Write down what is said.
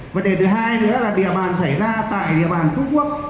vấn đề thứ hai nữa là địa bàn xảy ra tại địa bàn phú quốc